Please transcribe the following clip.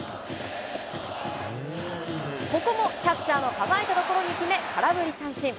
ここもキャッチャーの構えた所に決め、空振り三振。